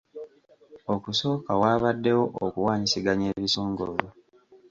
Okusooka waabaddewo okuwanyisiganya ebisongovu